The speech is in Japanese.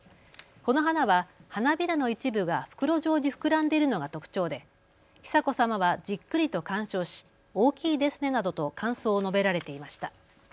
この花は花びらの一部が袋状に膨らんでいるのが特徴で久子さまはじっくりと鑑賞し大きいですねなどと感想を述べられていました。